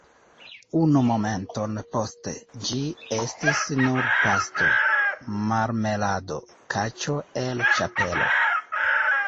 Unu momenton poste, ĝi estis nur pasto, marmelado, kaĉo el ĉapelo!